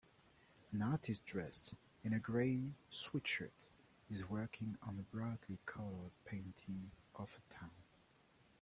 An artist dressed in a gray sweatshirt is working on a brightly colored painting of a town.